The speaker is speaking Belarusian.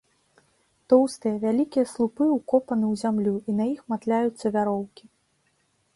Тоўстыя, вялікія слупы ўкопаны ў зямлю, і на іх матляюцца вяроўкі.